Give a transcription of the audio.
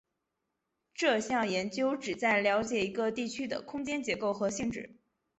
这项研究旨在了解一个地区的空间结构和性质。